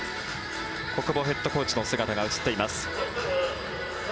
小久保ヘッドコーチの姿が映っています。